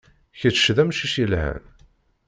Kečč d amcic yelhan.